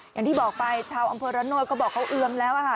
อย่างที่บอกไปชาวอำเภอระโนธก็บอกเขาเอือมแล้วค่ะ